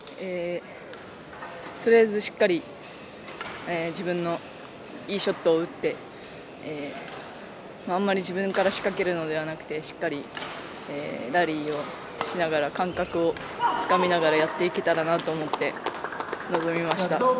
とりあえずしっかり自分のいいショットを打ってあまり自分から仕掛けるのではなくてしっかり、ラリーをしながら感覚をつかみながらやっていけたらなと思って臨みました。